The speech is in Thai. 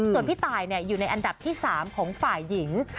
ส่วนพี่ตายอยู่ในอันดับที่๓ของฝ่ายหญิง